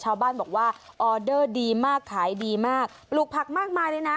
ชาวบ้านบอกว่าออเดอร์ดีมากขายดีมากปลูกผักมากมายเลยนะ